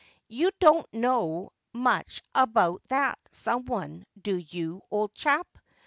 You don't know much about that someone, do you, old chap